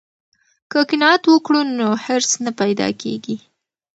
که قناعت وکړو نو حرص نه پیدا کیږي.